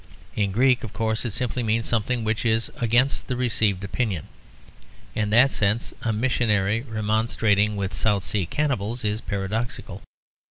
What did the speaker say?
In Greek, of course, it simply means something which is against the received opinion; in that sense a missionary remonstrating with South Sea cannibals is paradoxical.